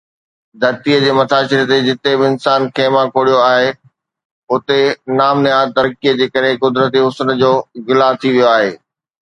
ڌرتيءَ جي مٿاڇري تي جتي به انسان خيما کوڙيو آهي، اتي نام نهاد ترقيءَ جي ڪري قدرتي حسن جو گلا ٿي ويو آهي.